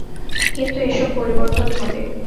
কিন্তু এসব পরিবর্তন হবে।